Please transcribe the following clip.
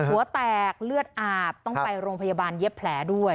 หัวแตกเลือดอาบต้องไปโรงพยาบาลเย็บแผลด้วย